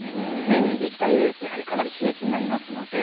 目に液体入れるってかなり刺激になりますので。